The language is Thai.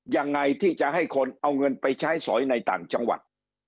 ยังไงที่จะให้คนเอาเงินไปใช้สอยในต่างจังหวัด